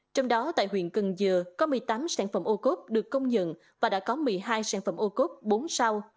trong đó tại huyện cần dừa có một mươi tám sản phẩm ô cốt được công nhận và đã có một mươi hai sản phẩm ô cốt bốn sao